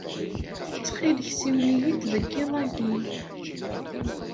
Ttxil-k siwel-iyi-d deg iḍ-agi.